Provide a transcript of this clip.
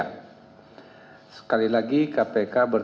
sekali lagi kpk berterima kasih kepada pihak kejaksaan agung republik indonesia